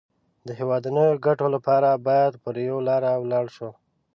د هېوادنيو ګټو لپاره بايد پر يوه لاره ولاړ شو.